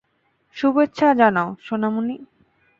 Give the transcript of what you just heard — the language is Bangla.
শুভেচ্ছা জানাও, সোনামণি।